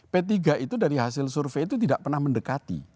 p tiga itu dari hasil survei itu tidak pernah mendekati